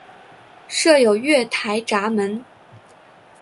设有月台闸门。